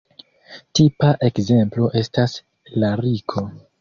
Tipa ekzemplo estas lariko.